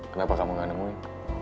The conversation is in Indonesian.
kenapa kamu gak nemuin